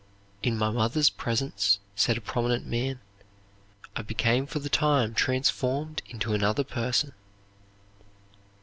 "In my mother's presence," said a prominent man, "I become for the time transformed into another person."